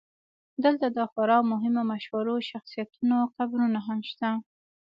دلته د خورا مهمو مشهورو شخصیتونو قبرونه هم شته.